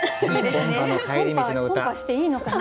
コンパしていいのかな。